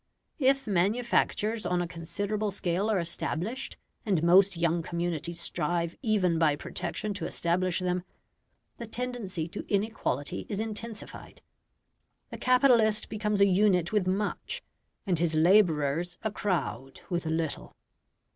If manufactures on a considerable scale are established and most young communities strive even by protection to establish them the tendency to inequality is intensified. The capitalist becomes a unit with much, and his labourers a crowd with little.